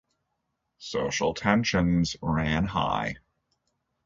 Social tensions ran high.